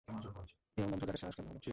ওই আমার নাম ধরে ডাকার সাহস কেমনে হলো?